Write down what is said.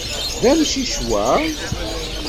D amcic wa?